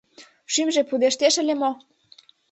Шӱмжӧ пудештеш ыле мо?